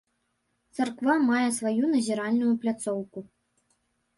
Царква мае сваю назіральную пляцоўку.